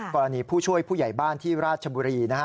ผู้ช่วยผู้ใหญ่บ้านที่ราชบุรีนะฮะ